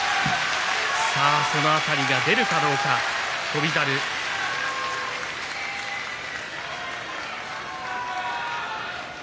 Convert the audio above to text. その辺りが出るかどうか翔猿です。